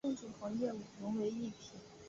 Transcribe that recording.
把政治和业务融为一体